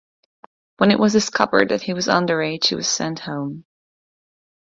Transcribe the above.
When it was discovered that he was underage, he was sent home.